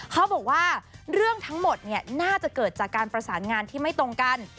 เขาบอกว่าเรื่องทั้งหมดน่าจะเกิดจากการประสานงานที่ไม่ตรงกัน